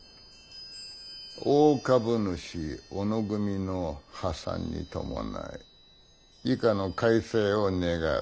「大株主小野組の破産に伴い以下の改正を願う。